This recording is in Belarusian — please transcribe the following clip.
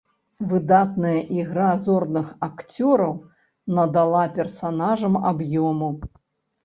Выдатная ігра зорных акцёраў надала персанажам аб'ёму.